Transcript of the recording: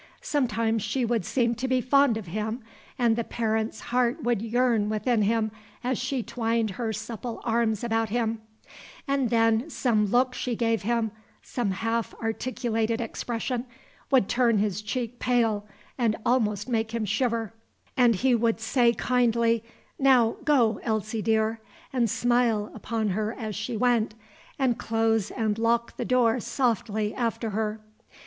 Sometimes she would seem to be fond of him, and the parent's heart would yearn within him as she twined her supple arms about him; and then some look she gave him, some half articulated expression, would turn his cheek pale and almost make him shiver, and he would say kindly, "Now go, Elsie, dear," and smile upon her as she went, and close and lock the door softly after her.